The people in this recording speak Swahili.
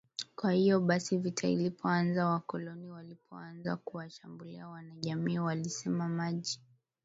kwa hiyo basi vita ilipoanza wakoloni walipoanza kuwashambulia wanajamii walisema maji